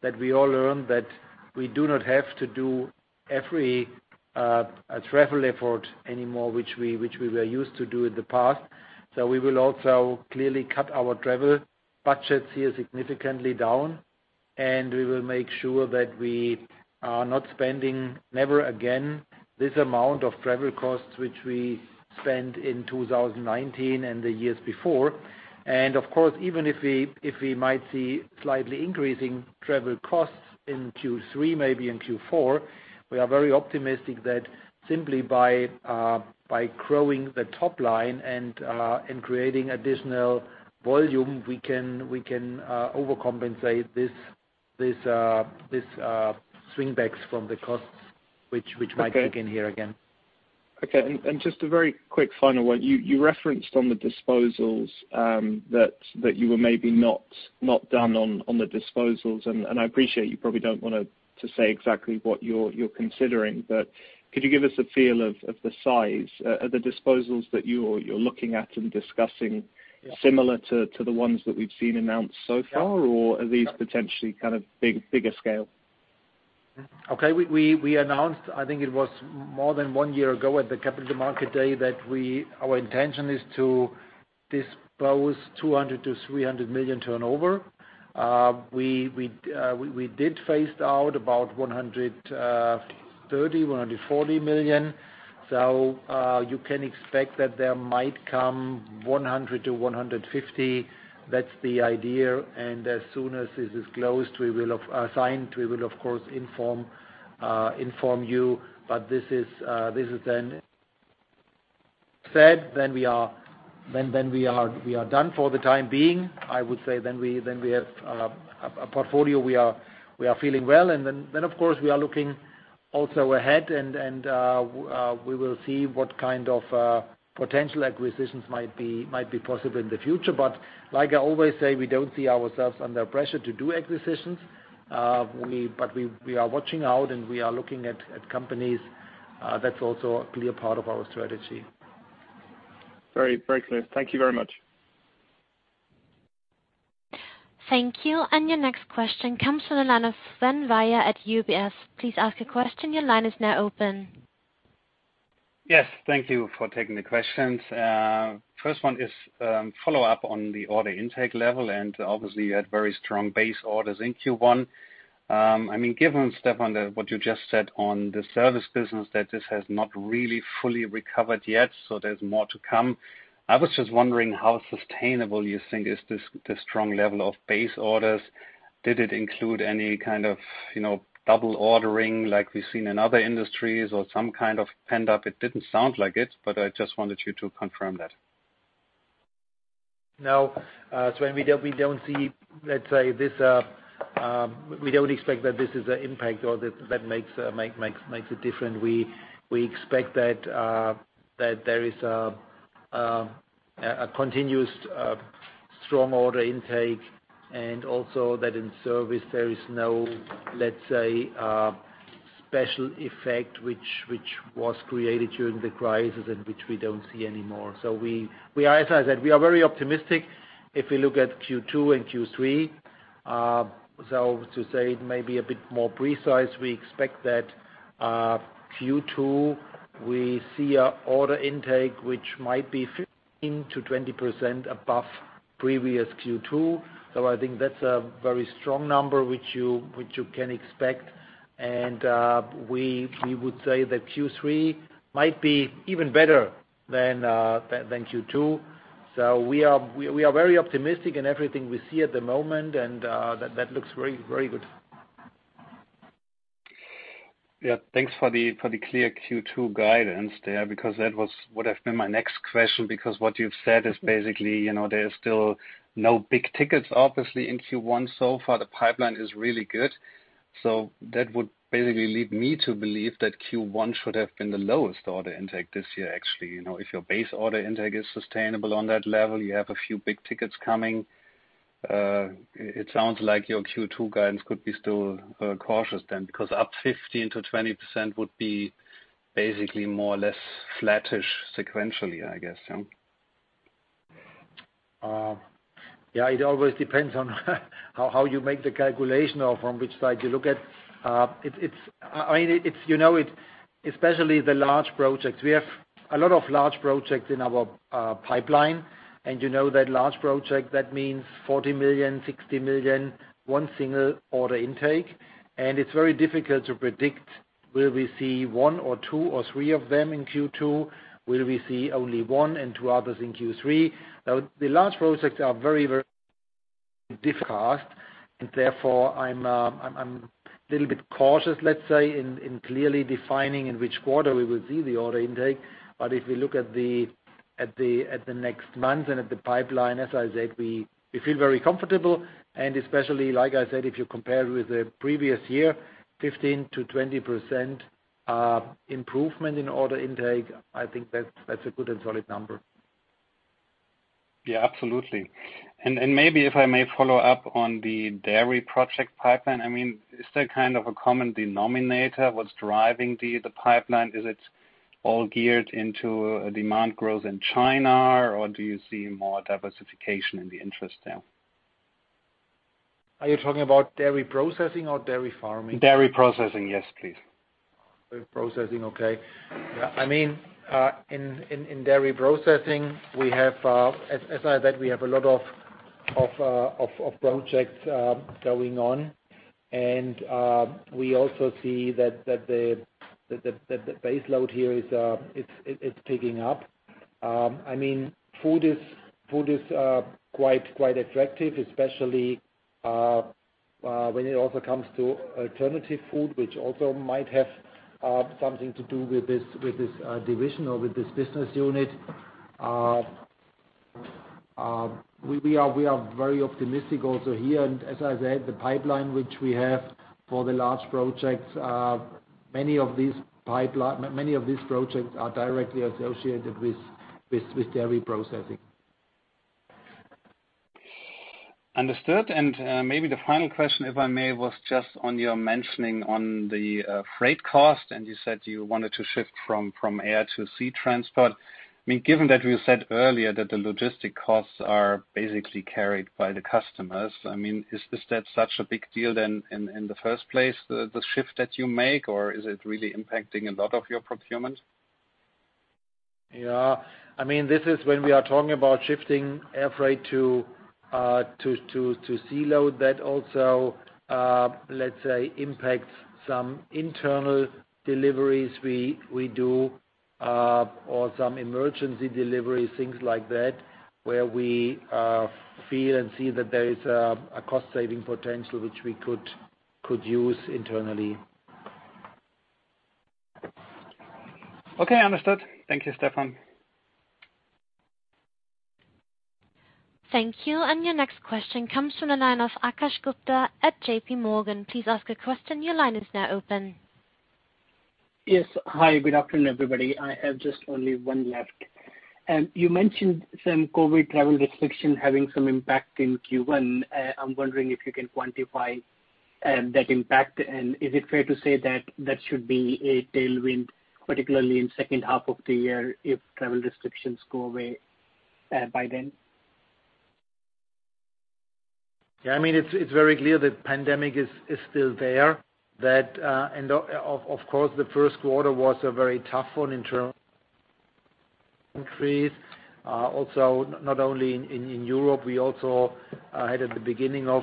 that we all learned that we do not have to do every travel effort anymore, which we were used to do in the past. We will also clearly cut our travel budgets here significantly down. We will make sure that we are not spending, never again, this amount of travel costs which we spent in 2019 and the years before. Of course, even if we might see slightly increasing travel costs in Q3, maybe in Q4, we are very optimistic that simply by growing the top line and creating additional volume, we can overcompensate these swingbacks from the costs which might kick in here again. Okay. Just a very quick final one. You referenced on the disposals that you were maybe not done on the disposals, and I appreciate you probably don't want to say exactly what you're considering, but could you give us a feel of the size? Are the disposals that you're looking at and discussing similar to the ones that we've seen announced so far, or are these potentially bigger scale? Okay. We announced, I think it was more than one year ago at the Capital Markets Day, that our intention is to dispose 200 million-300 million turnover. We did phased out about 130 million, 140 million. You can expect that there might come 100 million-150 million. That's the idea. As soon as this is closed, we will have assigned, we will of course inform you. This is then said, then we are done for the time being. I would say then we have a portfolio we are feeling well. Of course, we are looking also ahead and we will see what kind of potential acquisitions might be possible in the future. Like I always say, we don't see ourselves under pressure to do acquisitions. We are watching out and we are looking at companies. That's also a clear part of our strategy. Very clear. Thank you very much. Thank you. Your next question comes from the line of Sven Weier at UBS. Yes, thank you for taking the questions. First one is follow up on the order intake level. Obviously, you had very strong base orders in Q1. Given Stefan, what you just said on the service business that this has not really fully recovered yet, there's more to come. I was just wondering how sustainable you think is this strong level of base orders? Did it include any kind of double ordering like we've seen in other industries or some kind of pent up? It didn't sound like it. I just wanted you to confirm that. No, Sven, we don't expect that this is an impact or that makes it different. We expect that there is a continuous strong order intake and also that in service there is no, let's say, special effect which was created during the crisis and which we don't see anymore. As I said, we are very optimistic if we look at Q2 and Q3. To say it maybe a bit more precise, we expect that Q2 we see order intake which might be 15%-20% above previous Q2. I think that's a very strong number which you can expect. We would say that Q3 might be even better than Q2. We are very optimistic in everything we see at the moment, and that looks very good. Thanks for the clear Q2 guidance there, because that would have been my next question, because what you've said is basically there is still no big tickets obviously in Q1 so far. The pipeline is really good. That would basically lead me to believe that Q1 should have been the lowest order intake this year, actually. If your base order intake is sustainable on that level, you have a few big tickets coming. It sounds like your Q2 guidance could be still cautious then, because up 15%-20% would be basically more or less flattish sequentially, I guess, yeah. Yeah, it always depends on how you make the calculation or from which side you look at. Especially the large projects. We have a lot of large projects in our pipeline, and you know that large project, that means 40 million, 60 million, one single order intake. It's very difficult to predict. Will we see one or two or three of them in Q2? Will we see only one and two others in Q3? The large projects are very difficult and therefore I'm a little bit cautious, let's say, in clearly defining in which quarter we will see the order intake. If we look at the next month and at the pipeline, as I said, we feel very comfortable. Especially, like I said, if you compare with the previous year, 15%-20% improvement in order intake, I think that's a good and solid number. Yeah, absolutely. Maybe if I may follow up on the dairy project pipeline, is there a common denominator? What's driving the pipeline? Is it all geared into demand growth in China, or do you see more diversification in the interest there? Are you talking about dairy processing or dairy farming? Dairy processing. Yes, please. With processing, okay. In dairy processing, as I said, we have a lot of projects going on and we also see that the base load here it's picking up. Food is quite effective, especially when it also comes to alternative food, which also might have something to do with this division or with this business unit. We are very optimistic also here. As I said, the pipeline which we have for the large projects, many of these projects are directly associated with dairy processing. Understood. Maybe the final question, if I may, was just on your mentioning on the freight cost, and you said you wanted to shift from air to sea transport. Given that we said earlier that the logistic costs are basically carried by the customers, is that such a big deal then in the first place, the shift that you make, or is it really impacting a lot of your procurement? Yeah. This is when we are talking about shifting air freight to sea load that also, let's say, impacts some internal deliveries we do or some emergency deliveries, things like that, where we feel and see that there is a cost-saving potential which we could use internally. Okay, understood. Thank you, Stefan. Thank you. Your next question comes from the line of Akash Gupta at JPMorgan. Yes. Hi, good afternoon, everybody. I have just only one left. You mentioned some COVID travel restriction having some impact in Q1. I'm wondering if you can quantify that impact. Is it fair to say that should be a tailwind, particularly in second half of the year if travel restrictions go away by then? Yeah, it's very clear that pandemic is still there. Of course, the first quarter was a very tough one in terms of countries. Not only in Europe, we also had at the beginning of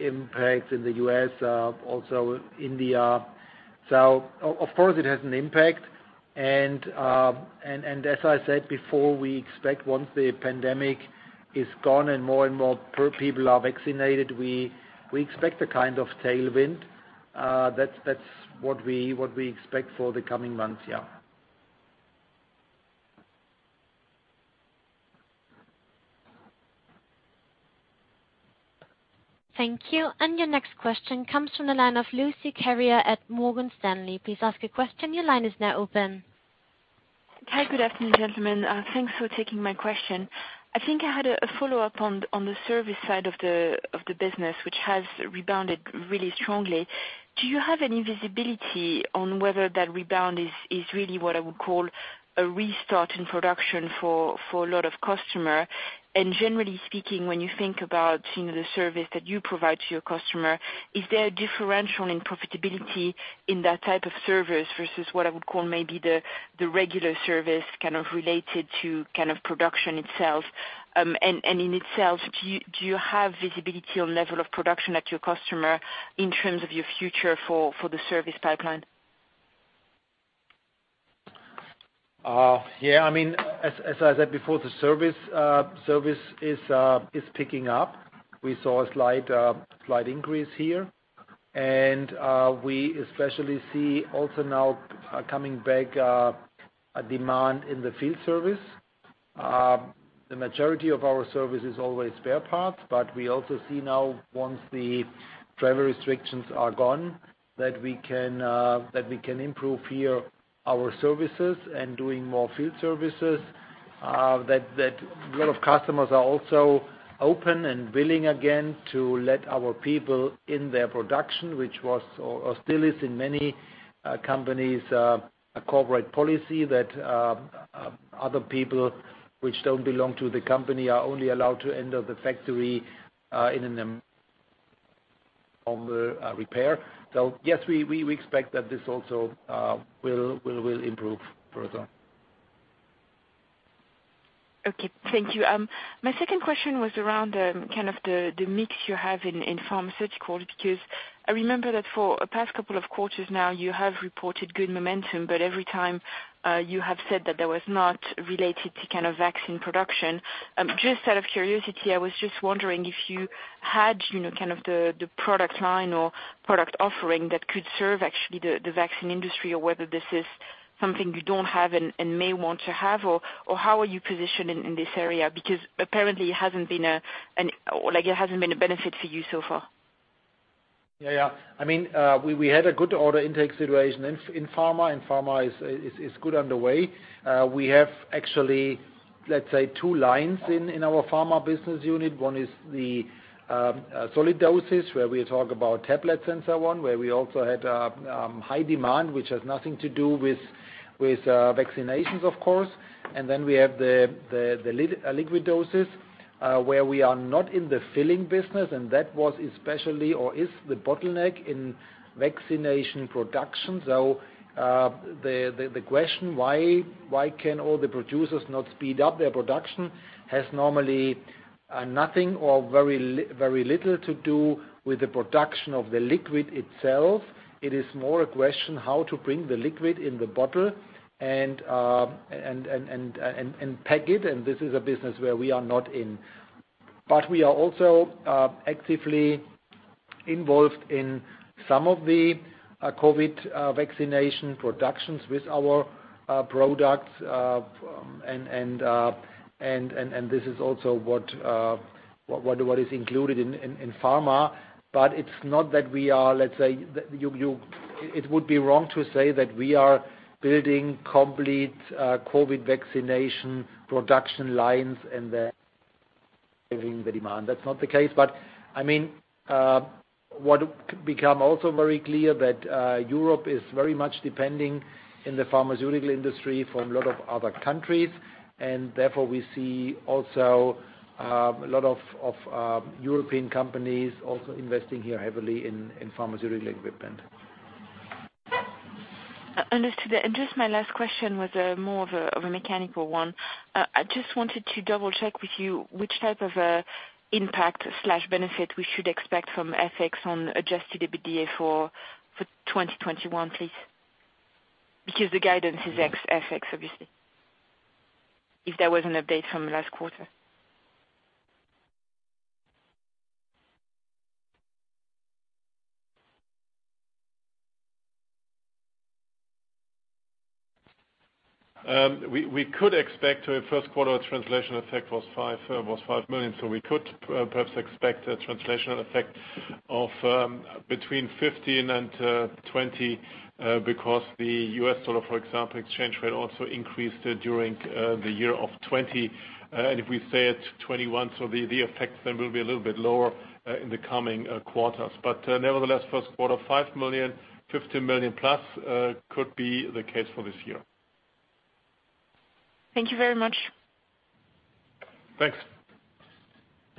impact in the U.S., also India. Of course it has an impact. As I said before, we expect once the pandemic is gone and more and more people are vaccinated, we expect a kind of tailwind. That's what we expect for the coming months, yeah. Thank you. Your next question comes from the line of Lucie Carrier at Morgan Stanley. Hi. Good afternoon, gentlemen. Thanks for taking my question. I think I had a follow-up on the service side of the business, which has rebounded really strongly. Do you have any visibility on whether that rebound is really what I would call a restart in production for a lot of customer? Generally speaking, when you think about the service that you provide to your customer, is there a differential in profitability in that type of service versus what I would call maybe the regular service kind of related to kind of production itself? In itself, do you have visibility on level of production at your customer in terms of your future for the service pipeline? Yeah. As I said before, the service is picking up. We saw a slight increase here and we especially see also now coming back a demand in the field service. The majority of our service is always spare parts, but we also see now once the travel restrictions are gone, that we can improve here our services and doing more field services. That a lot of customers are also open and willing again to let our people in their production, which was or still is in many companies, a corporate policy that other people which don't belong to the company are only allowed to enter the factory on the repair. Yes, we expect that this also will improve further. Okay. Thank you. My second question was around the mix you have in pharmaceutical because I remember that for a past couple of quarters now you have reported good momentum. Every time you have said that that was not related to kind of vaccine production. Just out of curiosity, I was just wondering if you had the product line or product offering that could serve actually the vaccine industry or whether this is something you don't have and may want to have, or how are you positioned in this area? Apparently it hasn't been a benefit for you so far. Yeah. We had a good order intake situation in Pharma, and Pharma is good underway. We have actually, let's say, two lines in our Pharma business unit. One is the solid dosage where we talk about tablets and so on, where we also had high demand, which has nothing to do with vaccinations of course. Then we have the liquid dosage where we are not in the filling business, and that was especially, or is the bottleneck in vaccination production. The question, why can all the producers not speed up their production has normally nothing or very little to do with the production of the liquid itself. It is more a question how to bring the liquid in the bottle and pack it, and this is a business where we are not in. We are also actively involved in some of the COVID vaccination productions with our products, and this is also what is included in Pharma. It would be wrong to say that we are building complete COVID vaccination production lines. That's not the case. What became also very clear that Europe is very much depending in the pharmaceutical industry from a lot of other countries, and therefore, we see also a lot of European companies also investing here heavily in pharmaceutical equipment. Understood. Just my last question was more of a mechanical one. I just wanted to double-check with you which type of impact/benefit we should expect from FX on adjusted EBITDA for 2021, please. Because the guidance is ex FX, obviously. If there was an update from last quarter. We could expect our first quarter translation effect was 5 million. We could perhaps expect a translational effect of between 15 million and 20 million, because the US dollar, for example, exchange rate also increased during the year of 2020. If we say it 2021, the effects then will be a little bit lower, in the coming quarters. Nevertheless, first quarter, 5 million, 15+ million could be the case for this year. Thank you very much. Thanks.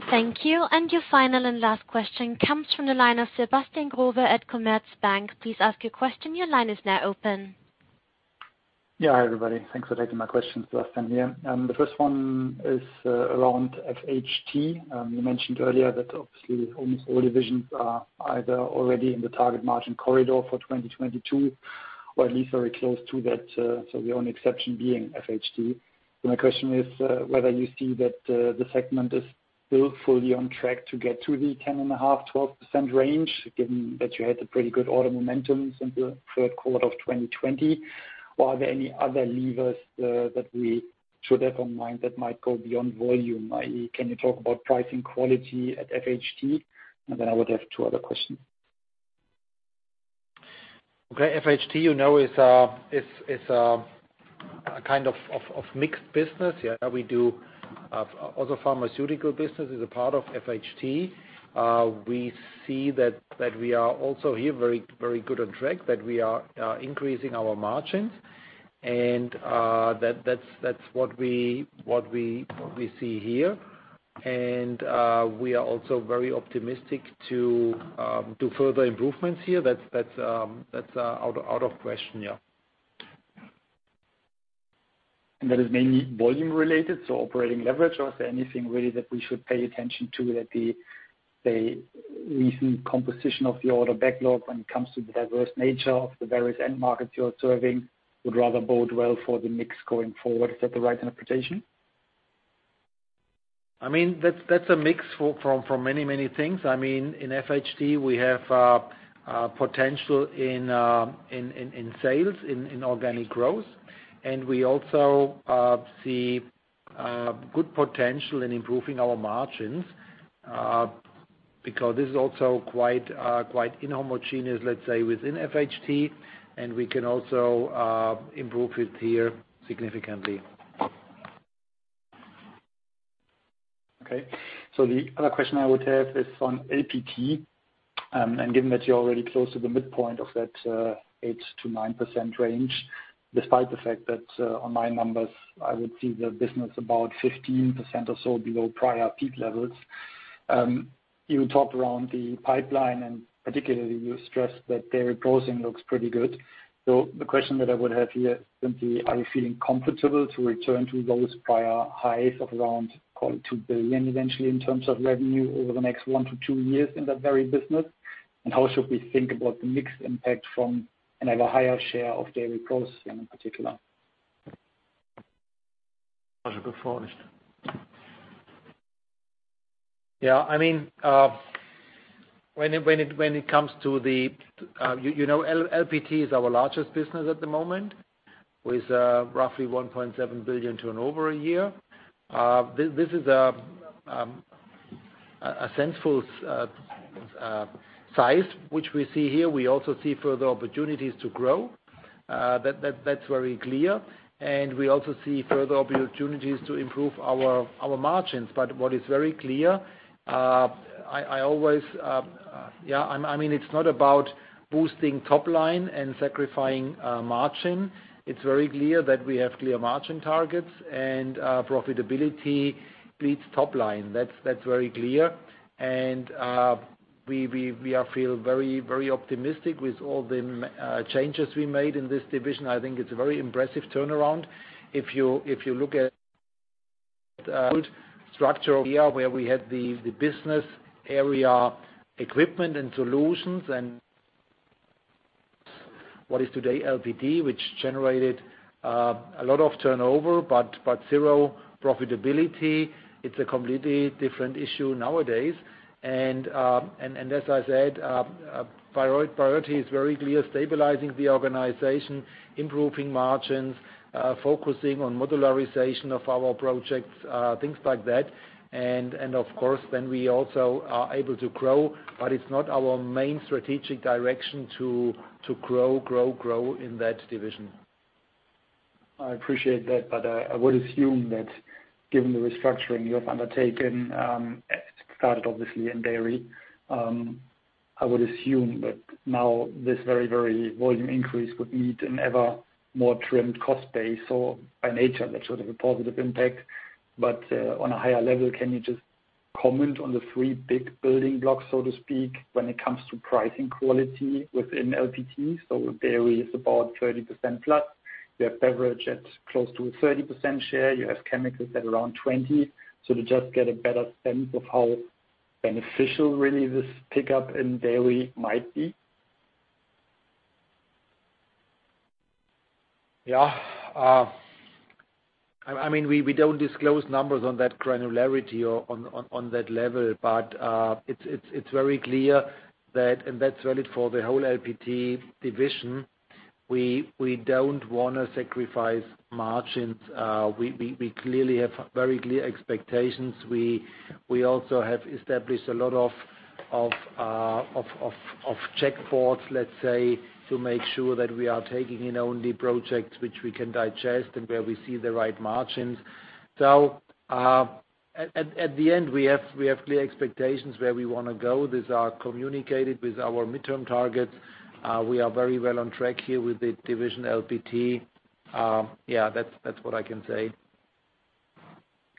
Thank you. Your final and last question comes from the line of Sebastian Growe at Commerzbank. Please ask your question. Yeah. Hi, everybody. Thanks for taking my questions. Sebastian here. The first one is around FHT. You mentioned earlier that obviously almost all divisions are either already in the target margin corridor for 2022, or at least very close to that, so the only exception being FHT. My question is, whether you see that the segment is still fully on track to get to the 10.5%-12% range, given that you had a pretty good order momentum since the third quarter of 2020. Are there any other levers that we should have in mind that might go beyond volume? Can you talk about pricing quality at FHT? Then I would have two other questions. Okay. FHT, you know is a kind of mixed business. Yeah. Also pharmaceutical business is a part of FHT. We see that we are also here very good on track, that we are increasing our margins and that's what we see here. We are also very optimistic to do further improvements here. That's out of question. Yeah. That is mainly volume related, so operating leverage, or is there anything really that we should pay attention to that the recent composition of the order backlog when it comes to the diverse nature of the various end markets you're serving would rather bode well for the mix going forward? Is that the right interpretation? That's a mix from many things. In FHT, we have potential in sales, in organic growth, and we also see good potential in improving our margins, because this is also quite inhomogeneous, let's say, within FHT, and we can also improve it here significantly. Okay. The other question I would have is on LPT. Given that you're already close to the midpoint of that 8%-9% range, despite the fact that, on my numbers, I would see the business about 15% or so below prior peak levels. You talked around the pipeline and particularly you stressed that dairy processing looks pretty good. The question that I would have here is simply, are you feeling comfortable to return to those prior highs of around call it 2 billion eventually in terms of revenue over the next one to two years in that very business? How should we think about the mix impact from another higher share of dairy processing in particular? Yeah. When it comes to you know LPT is our largest business at the moment, with roughly 1.7 billion turnover a year. This is a sensible size, which we see here. We also see further opportunities to grow. That's very clear, we also see further opportunities to improve our margins. What is very clear, it's not about boosting top line and sacrificing margin. It's very clear that we have clear margin targets and profitability beats top line. That's very clear. We feel very optimistic with all the changes we made in this division. I think it's a very impressive turnaround. If you look at old structure here where we had the business area Equipment Solutions and what is today LPT, which generated a lot of turnover but zero profitability. It's a completely different issue nowadays. As I said, priority is very clear, stabilizing the organization, improving margins, focusing on modularization of our projects, things like that. Of course, then we also are able to grow, but it's not our main strategic direction to grow in that division. I appreciate that. I would assume that given the restructuring you have undertaken, it started obviously in dairy. I would assume that now this very volume increase would need an ever more trimmed cost base or by nature, that should have a positive impact. On a higher level, can you just comment on the three big building blocks, so to speak, when it comes to pricing quality within LPT? Dairy is about 30%+. You have beverage at close to a 30% share. You have chemicals at around 20%. To just get a better sense of how beneficial really this pickup in dairy might be. Yeah. We don't disclose numbers on that granularity or on that level. It's very clear that, and that's valid for the whole LPT division, we don't want to sacrifice margins. We clearly have very clear expectations. We also have established a lot of check posts, let's say, to make sure that we are taking in only projects which we can digest and where we see the right margins. At the end, we have clear expectations where we want to go. These are communicated with our midterm targets. We are very well on track here with the division LPT. Yeah, that's what I can say.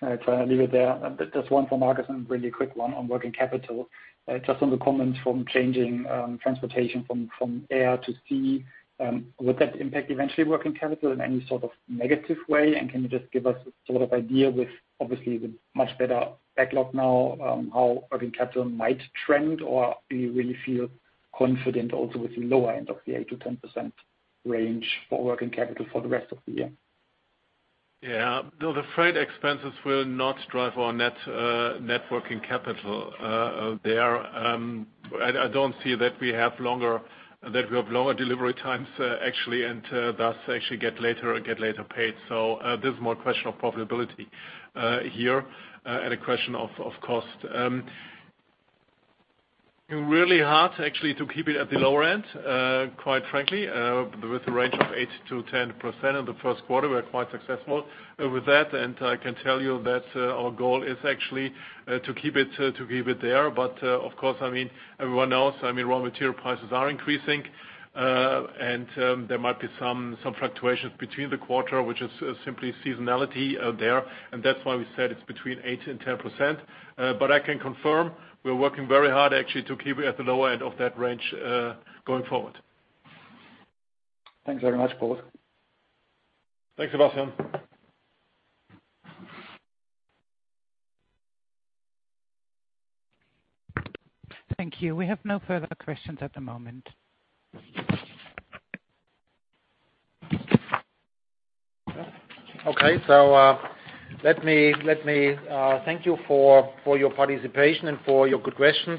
I try and leave it there. Just one for Marcus and really quick one on working capital. Just on the comments from changing transportation from air to sea. Would that impact eventually working capital in any sort of negative way? Can you just give us a sort of idea with obviously the much better backlog now, how working capital might trend? Do you really feel confident also with the lower end of the 8%-10% range for working capital for the rest of the year? No, the freight expenses will not drive our net working capital. I don't see that we have lower delivery times, actually, and thus actually get later paid. This is more a question of profitability here and a question of cost. Really hard actually to keep it at the lower end, quite frankly, with a range of 8%-10% in the first quarter. We're quite successful with that, and I can tell you that our goal is actually to keep it there. Of course, everyone knows raw material prices are increasing. There might be some fluctuations between the quarter, which is simply seasonality there, and that's why we said it's between 8% and 10%. I can confirm we're working very hard actually to keep it at the lower end of that range, going forward. Thanks very much, Marcus. Thanks, Sebastian. Thank you. We have no further questions at the moment. Okay. Let me thank you for your participation and for your good questions.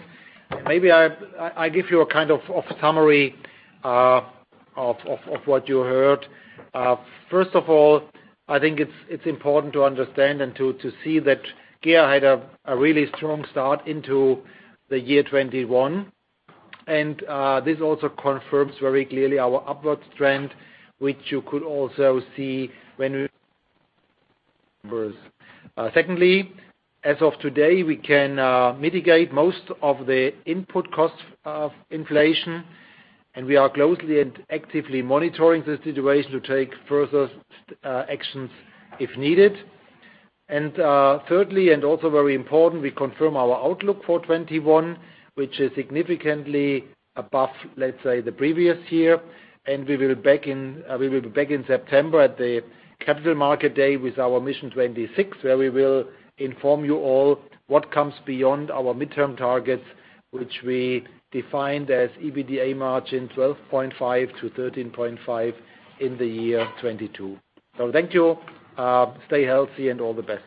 Maybe I give you a kind of summary of what you heard. First of all, I think it's important to understand and to see that GEA had a really strong start into the year 2021. This also confirms very clearly our upward trend, which you could also see when we. Secondly, as of today, we can mitigate most of the input costs of inflation, and we are closely and actively monitoring the situation to take further actions if needed. Thirdly, and also very important, we confirm our outlook for 2021, which is significantly above, let's say, the previous year. We will be back in September at the Capital Markets Day with our Mission 26, where we will inform you all what comes beyond our midterm targets, which we defined as EBITDA margin 12.5%-13.5% in the year 2022. Thank you. Stay healthy and all the best.